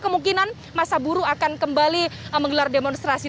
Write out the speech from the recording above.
kemungkinan masa buruh akan kembali menggelar demonstrasi